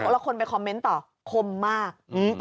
แล้วคนไปคอมเมนต์ต่อคมมาก